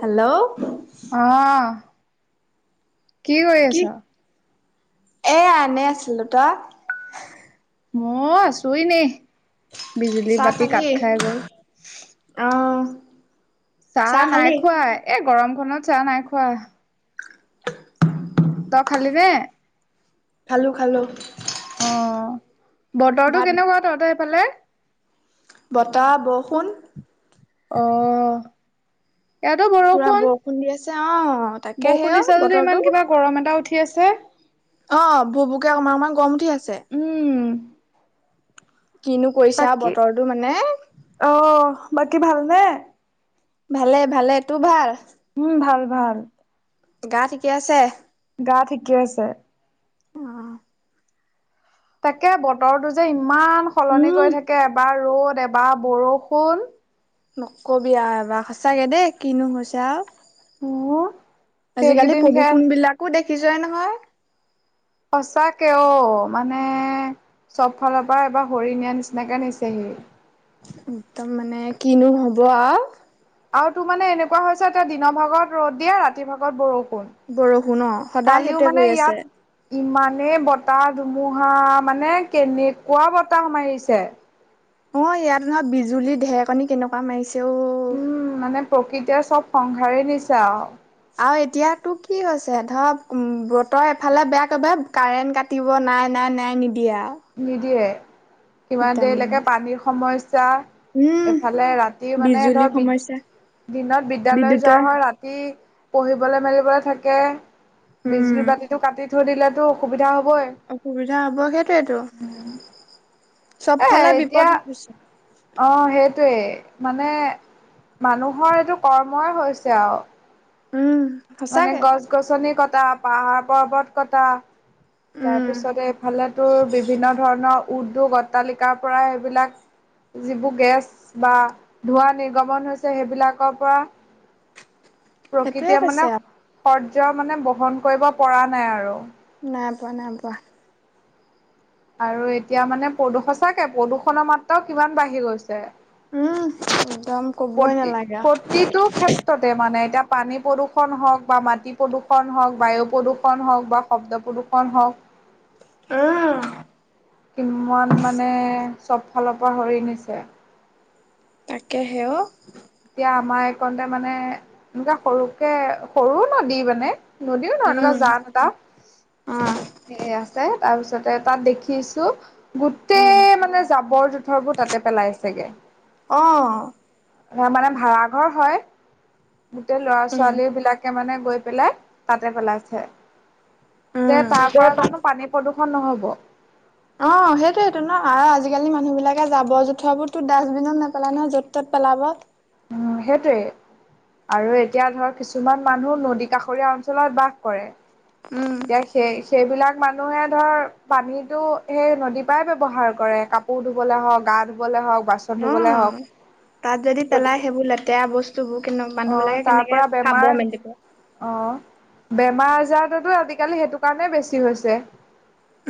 Hello অহ কি কৰি আছ? এই এনেই আছিলোঁ তই? মই আছোঁ ইনেই, বিজুলী পাতি কাত খাই গল। অঁ। চাহ নাই খোৱা এ গৰম খনত চাহ নাই খোৱা। তই খালি নে? খালোঁ খালোঁ। অ' বতৰটো কেনেকুৱা তহঁতৰ এইফালে? বতাহ বৰষুণ। অঁ। পুৰা বৰষুণ দি আছে অ। তাকে সেই বৰষুণ অ দিছে যদিও বতৰটো ইমান কিবা গৰম এটা উঠি আছে। অ' ভুক ভুককে অকণমান গৰম উঠি আছে। উম। কিনো কৰিছে আও বাকী বতৰটো মানে। অ, বাকী ভাল নে? ভালে- ভালে তোৰ ভাল? উম, ভাল-ভাল। গা ঠিকে আছে? গা ঠিকে আছে। অ তাকে বতৰটো যে ইমান সলনি উম কৰি থাকে এবাৰ ৰ'দ এবাৰ বৰষুণ। নকবি আ এবাৰ সঁচাকে দেই কিনো হৈছে আওঁ। [unintelligible] আজিকালি সেইকেইদিন সেয়া প্ৰদূষণ বিলাকো দেখিছই নহয়? সঁচাকে অ, মানে চব ফালৰ পৰা এবাৰ হৰি নিয়া নিচিনাকে নিছেহি। একদম মানে কিনো হ'ব আও। আৰু তোৰ মানে এনেকুৱা হৈছে এতিয়া দিনৰ ভাগত ৰ'দ দিয়ে ৰাতি ভাগত বৰষুণ। বৰষূণ অ, সদায় সেইটোৱে কৰি আছে। ইমানে বতাহ ধুমুহা মানে কেনেকুৱা বতাহ মাৰিছে। অ, ইয়াত নহয় বিজুলী ঢেকণী কেনেকুৱা মাৰিছে ঔ। উম, মানে প্ৰকৃতিয়ে চব সংসাৰে নিচে আও। আৰু এতিয়াতো কি হৈছে ধৰ বতৰ এফালে বেয়াকে বেব কাৰেণ্ট কাট কাটিব নাই -নাই -নাই নিদিয়ে আও। নিদিয়ে কিমান একদম দেৰিলৈকে মানে পানীৰ সমস্যা উম এফালে ৰাতি মানে বিজুলী ধৰ বিদ সমস্যা দিনত বিদ্যালয় যোৱা বিদ্যুতৰ হয় ৰাতি পঢ়িবলে মেলিবলে থাকে উম বিজুলী বাতিটো কাটি থৈ দিলেতো অসুবিধা হ'বই। অসুবিধা হব সেইটয়েটো চব এ ফালে বিপদ এতিয়া হৈছে। অ, সেইটোৱেই মানে মানুহৰ এইটো কৰ্মই হৈছে আওঁ। উম। মানে সঁচাকে গছ -গছনি কটা পাহাৰ -পৰ্বত কটা উম তাৰপিছতে এইফালে তোৰ বিভিন্ন ধৰণৰ উদ্যোগ, অট্টালিকাৰ পৰাই এইবিলাক যিবোৰ গেছ বা ধোঁৱা নিৰ্গমন হৈছে সেইবিলাকৰ পৰা সেইটোয়ে প্ৰকৃতিয়ে হৈছে মানে আও শৰ্য মানে বহন কৰিব পৰা নাই আৰু। নাই পোৱা-নাই পোৱা। আৰু এতিয়া মানে প্ৰদূষ সচাকে প্ৰদূষণৰ মাত্ৰাও কিমান বাঢ়ি গৈছে উম, একদম। কবই প্ৰতি নালাগে -পত আও প্ৰতিটো ক্ষেত্ৰতে মানে এতিয়া পানী প্ৰদূষণ হওক বা মাটি প্ৰদূষণ হওক বায়ু প্ৰদূষণ হওক বা শব্দ প্ৰদূষণ হওক [unintelligible] কিমান মানে চব ফালৰ পৰা হৰি নিছে। তাকেসে অ, এতিয়া আমাৰ এইকনতে মানে এনেকা সৰুকে সৰু নদী মানে নদীও নহয় এনেকুৱা উম, জান এটা অ। সেই আছে তাৰপিছতে তাত দেখিছোঁ উম গোটেই মানে জাবৰ -জোথৰবোৰ তাতে পেলাইছেগে। অ হে মানে ভাড়াঘৰ হয় গোটেই লৰা উম -ছোৱালী বিলাক কে মানে গৈ পেলাই তাতে পেলাইছে যে উম তাৰ তই পৰা পা জানো পানী প্ৰদূষণ নহ'ব? অ, সেইটোয়েটো ন' আৰু আজিকালি মানুহ বিলাকে জাবৰ -জোথৰবোৰতো ডাষ্টবিনত নেপেলাই নহয় য'ত -ত'ত পেলাব। উম, সেইটোৱেই। আৰু এতিয়া ধৰক কিছুমান মানুহ নদী কাষৰীয়া অঞ্চলত বাস কৰে উম এতিয়া সেই সেইবিলাক মানুহে ধৰ পানীতো সেই নদীৰ পৰাই ব্যৱহাৰ কৰে, কাপ কাপোৰ ধুবলে হওক, গা ধুবলে হওক, বা উম, তাত যদি পেলাই সেইবোৰ লেতেৰা বস্তু বস্তু বোৰ কেনে মানুহ বিলাকে কেনেকে খাব মেলিব। অ' বেমাৰ আজাৰতো আজিকালি সেইটো কাৰণে বেছি হৈছে।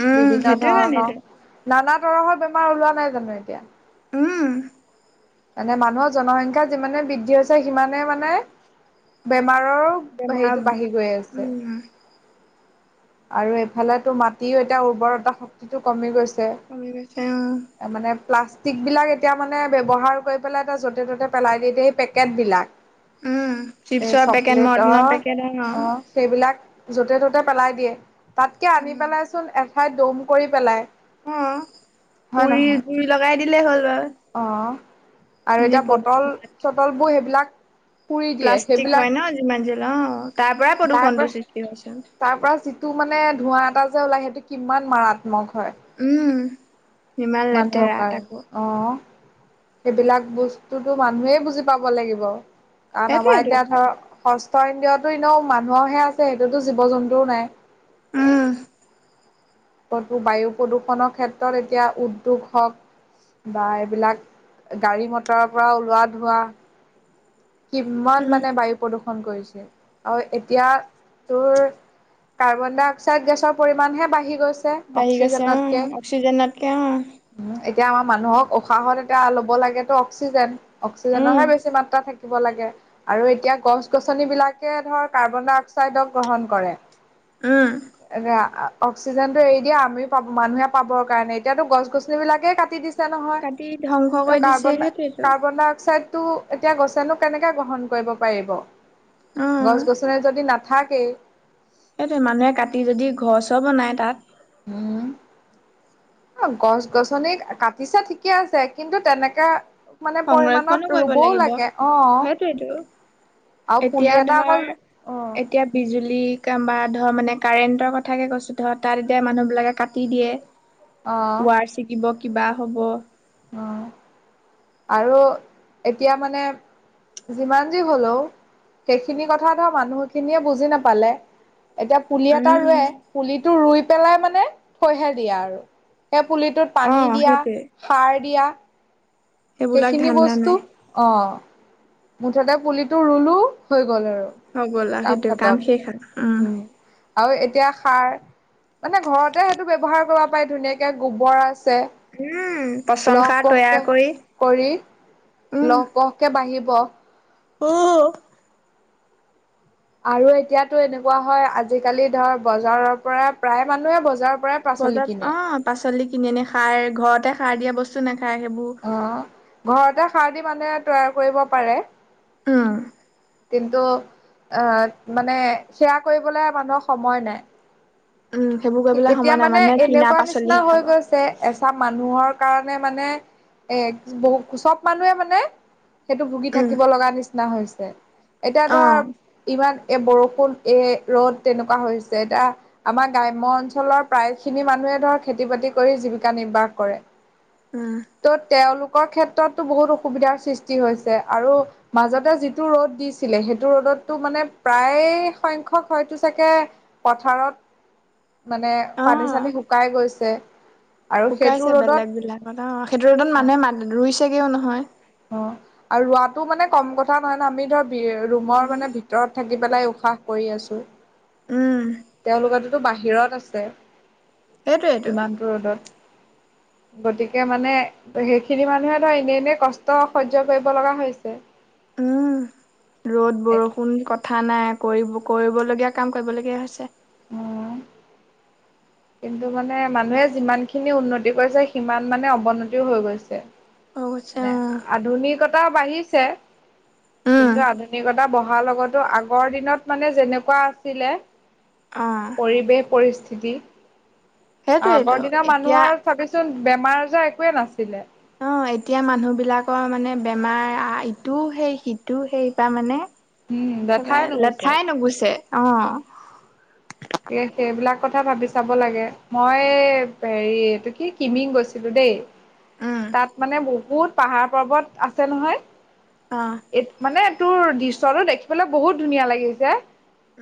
উম বিভিন্ন সেইটো ধৰণৰ কাৰণেতো নানা ধৰনৰ বেমাৰ ওলোৱা নাই জানো এতিয়া। উম, মানে মানুহৰ জনসংখ্যা যিমানে বৃদ্ধি হৈছে, সিমানে মানে বেমাৰৰ বেমাৰ সেইটো বাঢ়ি গৈ আছে। উম আৰু এইফালেতো মাটিও এতিয়া উৰ্বৰতা শক্তিটো কমি গৈছে। কমি গৈছে অ', মানে প্লাষ্টিকবিলাক এতিয়া মানে ব্যৱহাৰ কৰি পেলাই এটা য'তে-ত'তে পেলাই দি দিয়ে। সেই পেকেটবিলাক উম এ চিপছৰ পেকেট চকলেটৰ মটনৰ পেকেট অ, সেইবিলাক যতে ত'তে পেলাই দিয়ে। তাতকে আনি উম পেলাইচোন এঠাইত দম কৰি পেলাই, অ, হয় পুৰি নহয়? জুই লগাই দিলেই হ'ল হয়। অ, আৰু এতিয়া বটল হোৱাতকে চটলবোৰ সেইবিলাক পুৰি দিয়ে প্লাষ্টিক সেইবিলাক হয় ন' যিমান যি হ'লেও অ, তাৰ পৰাই প্ৰদূৰণটোৰ সৃষ্টি হৈছে। তাৰপৰা যিটো মানে ধোঁৱা এটা যে ওলায় সেইটো কিমান মাৰাত্মক হয়। উম, ইমান মানুহৰ লেতেৰা কাৰণে তাকো। অ', সেইবিলাক বস্তুটো মানুহে বুজি পাব লাগিব। কাৰণ আমাৰ সেইটোৱেটো এতিয়া ধৰক ষষ্ঠ ইন্দিয়তো এনেও মানুহে আছে, সেইটোতো জীৱ জন্তুও নাই। উম, বায়ু প্ৰদূষণৰ ক্ষেত্ৰত এতিয়া উদ্যোগ হওক, বা এইবিলাক গাড়ী মটৰৰ পৰা ওলোৱা ধোঁৱা, কিমান উম মানে বায়ু প্ৰদূ্ষণ কৰিছে আৰু এতিয়া তোৰ কাৰ্বন ডাই অক্সাইড গেছৰ পৰিমাণহে বাঢ়ি গৈছে। বাঢ়ি গৈছে অ, অক্সিজেন তকে অ', উ, এতিয়া আমাৰ মানুহক উশাহত এতিয়া ল'ব লাগেতো অক্সিজেন উম অক্সিজেনৰহে বেছি মাত্ৰা থাকে। থাকিব লাগে আৰু এতিয়া গছ গছনিবলাকে ধৰ কাৰ্বন ডাই অক্সাইডক গ্ৰহণ কৰে। উম, এ অক্সিজেনটো এৰি দিয়া আমিও পাব মানুহে পাবৰ কাৰণে এতিয়াতো গছ-গছনি বিলাকে কাটি দিছে। কাটি ধ্বংস নহয় কৰি দিছে সেইটোৱেটো কাৰ্বন-কাৰ্বন ডাই অক্সাইডটো এতিয়া গছেনো কেনেকৈ গ্ৰহণ কৰিব পাৰিব অ গছ-গছনি যদি নাথাকেই। সেইটোৱে মানুহে কাটি যদি ঘৰ চৰ বনায় তাত, উম, অ, গছ-গছনি কাটিছে ঠিকে আছে কিন্তু তেনেকে মানে সংৰক্ষণো পৰিমণত কৰিব ৰুবও লাগিব লাগে। অ', সেইটোৱেটো আৰু এতিয়া পুলি এটা ধৰ অকল অ', এতিয়া বিজুলী বা ধৰ মানে কাৰেন্টৰ কথাকে কৈছো ধৰ তাত এতিয়া মানুহ বিলাকে কাটি দিয়ে। অ', তাৰ ছিকিব কিবা হ'ব। অ', আৰু এতিয়া মানে যিমান যি হলেও সেইখিনি কথা ধৰ মানুহখিনিয়ে বুজি নাপালে। এতিয়া পুলি এটা উম ৰুৱে। পুলিটো ৰুই পেলাই মানে থৈহে দিয়া আৰু সেই পুলিটোত অ পানী দিয়া, সেইটোৱে সাৰ দিয়া, সেইবিলাক সেইখিনি ধান্দা নাই। বস্তুত অ, মুঠতে পুলিটো ৰুলো হৈ গ'ল আৰু। হৈ গল আ সেইটোয়ে কাম শেষ আৰু। উম, আৰু এতিয়া সাৰ, মানে ঘৰতে সেইটো ব্যৱহাৰ কৰিব পাৰি ধুনীয়াকে গোবৰ আছে। উম পচন লহ সাৰ তৈয়াৰ কহকে কৰি কৰি লহ পহকে বাঢ়িব। অ আৰু এতিয়াতো এনেকুৱা হয় আজিকালি ধৰ বজাৰৰ পৰা প্ৰায় মানুহে বজাৰ বজাৰ অ পাচলি কিনি আনি খায় ঘৰতে সাৰ দিয়া বস্তু নাখায় সেইবোৰ। অ', ঘৰতে সাৰ দি মানুহে তৈয়াৰ কৰিব পাৰে। অ কিন্তু আহ মানে সেয়া কৰিবলে মানুহক সময় নাই। উম সেইবোৰ কৰিবলৈ এতিয়া সময় নাই মানে মানুহে কিনা এনেকুৱা নিচিনা পাচলিহে খাব। হৈ গৈছে। এচাম মানুহৰ কাৰণে মানে এ বহু সব মানুহে মানে সেইটো ভুগি উম থাকিব লগা নিচিনা হৈছে। এতিয়া অ। ধৰ ইমান এ বৰষুণ এ ৰ'দ তেনেকুৱা হৈছে এতিয়া আমাৰ গাৱ- গ্ৰাম্য অঞ্চলৰ প্ৰায় খিনি মানুহে ধৰ খেতি বাতি কৰি জীৱিকা নিৰ্বাহ কৰে। উম। ত' তেওঁলোকৰ ক্ষেত্ৰতো বহুত অসুবিধাৰ সৃষ্টি হৈছে আৰু মাজতে যিটো ৰ'দ দিছিলে সেইটো ৰ'দততো মানে প্ৰায় সংখ্যক হয়তো চাগে পথাৰত মানে অ পানী চানী শুকাই গৈছে আৰু শুকাইছে সেইটো বেলেগ ৰ'দত বিলাকত অ' সেইটো ৰদত মানুহে মা ৰুইছেগেও নহয় অ' আৰু ৰোৱাতটো মানে কম কথা নহয় ন আমি ধৰ ৰুমৰ উম। মানে ভিতৰত থাক থাকি পেলাই উশাহ কৰি আছোঁ। উম। তেওঁলোকতোতো বাহিৰত আছে সেইটোৱেইটো। ইমানটো ৰ'দত। গতিকে মানে সেইখিনি মানুহে ধৰ এনেই এনে কষ্ট সহ্য কৰিব লগা হৈছে। উম। ৰ'দ বৰষুণ কথা নাই কৰিব কৰিবলগীয়া কাম কৰিবলগীয়া হৈছে। অ'। কিন্তু মানে মানুহে যিমান খিনি উন্নতি কৰিছে সিমান মানে অৱনতিও হৈ গৈছে। হৈ গৈছে মানে অ', আধুনিকতা বাঢ়িছে। উম, কিন্তু আধুনিকতা বঢ়াৰ লগতো আগৰ দিনত মানে যেনেকুৱা আছিলে অ', পৰিৱেশ পৰিস্থিতি সেইটোৱেইটো আগৰ দিনাৰ এতিয়া মানুহৰ চাবিচোন বেমাৰ আজাৰ একোৱে নাছিলে। অ' এতিয়া মানুহ বিলাকৰ মানে বেমাৰ ইটোও সেই সিটোও সেই বা মানে উম দেখাই সবাৰে নুগুছে লেঠাই নুগুছে অ'। হে সেইবিলাক কথা ভাবি চাব লাগে, মই হেৰি এইটো কি কিমিং গৈছিলো দেই। উম, তাত মানে বহুত পাহাৰ পৰ্বত আছে নহয়। অ' মানে তোৰ দৃশ্যটো দেখিবলৈ বহুত ধুনীয়া লাগিছে,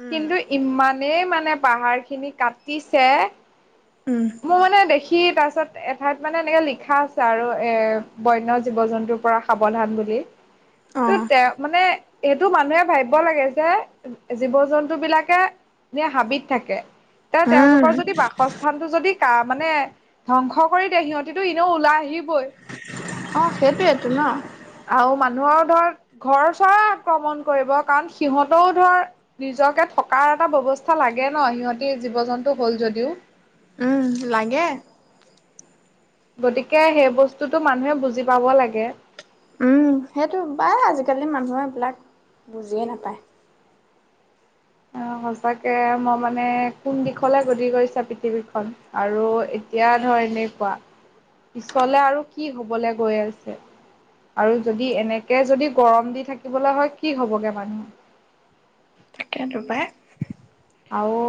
উম, কিন্তু ইমান নেই মানে পাহাৰ খিনি কাটিছে, উম, মোৰ মানে দেখি তাৰ পিছত এঠাইত মানে এনেকে লিখা আছে আৰু এ বন্য জীৱ জন্তুৰ পৰা সাৱধান বুলি। ত' অ', তেওঁ মানে সেইটো মানুহে ভাবিব লাগে যে জীৱ জন্তু বিলাকে যে হাবিত থাকে তে উম, তেওঁলোকৰ যদি বাসস্থ স্থানটো যদি কা মানে ধ্বংস কৰি দিয়ে সিহঁতিটো এনেও ওলাই আহিবই। অ সেইটোয়েইটো ন? আৰু মানুহৰ ধৰ ঘৰ চৰে আক্ৰমণ কৰিব কাৰণ সিহঁতও ধৰ নিজকে থকাৰ এটা ব্যৱস্থা লাগে ন সিহঁতি জীৱ জন্তু হল যদিও। উম লাগে। গতিকে সেই বস্তুটো মানুহে বুজি পাব লাগে। উম সেইটো প্ৰায় আজিকালি মানুহ এইবিলাক বুজিয়ে নাপায়। অঁ সচাকে মই মানে- নে কোন দিশলে গতি কৰিছে পৃথিৱীখন, আৰু এতিয়া ধৰ এনেকুৱা- পিছলে আৰু কি হবলে গৈ আছে। আৰু যদি এনেকে যদি গৰম দি থাকিবলৈ হয় কি হ'বগে মানুহ- তাকেটো পাই। আৰু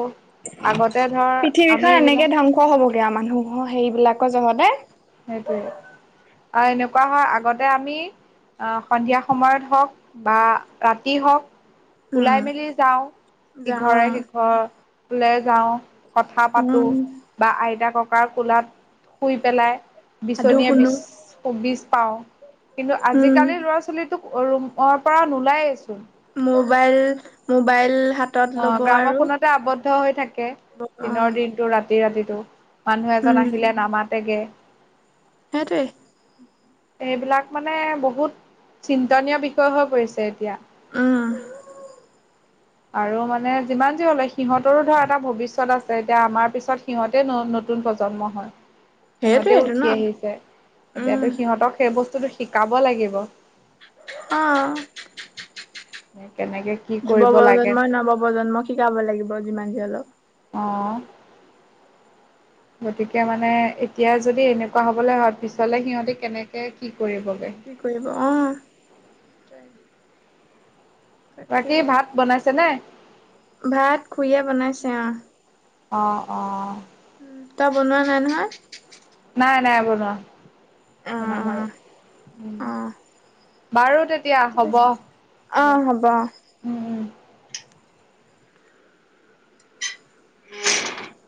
আগতে ধৰ আমি এইবিলাক- খ হ'বগে আও মানুহ সেইবিলাকৰ জহতে- সেইটোৱে, আৰু এনেকুৱা হয় আগতে আমি- আহ সন্ধিয়া সময়ত হওক বা ৰাতি হওক- উম, ওলাই মেলি যাওঁ যাওঁ ইঘৰে সিঘৰলে যাওঁ। কথা পাতো, উম, বা আইতা ককাৰ কোলাত শুই পেলাই। সাধু বিচনিয়ে শুনো। বিচ পাও, কিন্তু আজি উম, কালি লৰা ছোৱালী- তোক ৰুমৰ পৰা নোলায়ে ছোন। মোবাইল মোবাইল হাত- অঁ গ্ৰামৰ ফোনতে আৱদ্ধ হৈ থাকে, অ', দিনৰ দিনতটো ৰাতি ৰাতিতটো। মানুহ উম, এজন আহিলে নামাতেগে। সেইটোৱে। এইবিলাক মানে বহুত চিন্তনীয় বিষয় হৈ পৰিছে এতিয়া। উম আৰু মানে যিমান যি হলে সিহঁতৰো ধৰা এটা ভৱিষ্যত আছে, এতিয়া আমাৰ পিছত- সিহঁতে নতুন প্ৰজন্ম হয়। সিহঁতেও সেইটোৱেইটো ন উঠি আহিছে, উম, এতিয়াতো সিহঁতক সেই বস্তুটো শিকাব লাগিব। অঁ, কেনেকে কি যুৱ কৰিব লাগে প্ৰজন্ম নৱ প্ৰজন্ম- শিকাব লাগিব যিমান যি হ'লেও। অঁ গতিকে মানে এতিয়া যদি এনেকুৱা হবলৈ হয় পিছলে সিহঁতি কেনেকে কি কৰিবগে। কি কৰিব অঁ। [unintelligible] বাকী তাকেহে ভাত বনাইছে নে? ভাত খুৰিয়ে বনাইছে অঁ। অঁ অঁ। তই বনোৱা নাই নহয়? নাই নাই বনোৱা, অ', বনাম আৰু অ', উম। অ'। বাৰু তেতিয়া ঠিক হ'ব আছে। দে, অ', হ'ব অ'। উম উম। [unintelligible]